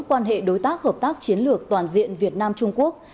quan hệ đối tác hợp tác chiến lược toàn diện việt nam trung quốc